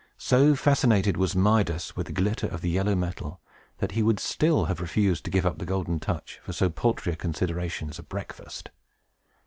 So fascinated was Midas with the glitter of the yellow metal, that he would still have refused to give up the Golden Touch for so paltry a consideration as a breakfast.